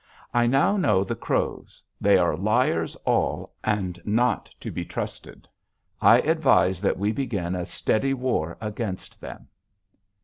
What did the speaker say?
'I now know the Crows. They are liars all, and not to be trusted. I advise that we begin a steady war against them.'